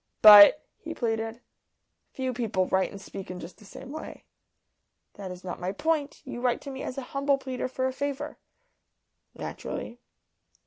"But," he pleaded, "few people write and speak in just the same way." "That is not my point. You write to me as a humble pleader for a favour." "Naturally."